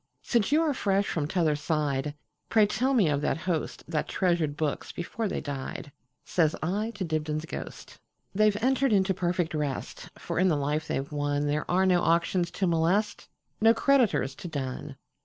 "Since you are fresh from t'other side, Pray tell me of that hostThat treasured books before they died,"Says I to Dibdin's ghost."They 've entered into perfect rest; For in the life they 've wonThere are no auctions to molest, No creditors to dun.